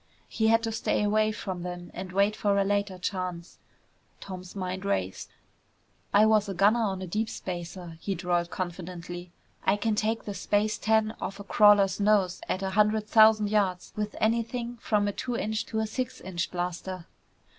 He had to stay away from them and wait for a later chance. Tom's mind raced. "I was a gunner on a deep spacer," he drawled confidently. "I can take the space tan off a crawler's nose at a hundred thousand yards with anything from a two inch to a six inch blaster."